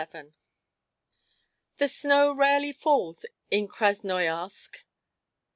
XXVII The snow rarely falls in Krasnoiarsk.